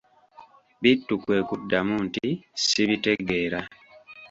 Bittu kwe kuddamu nti:"ssibitegeera"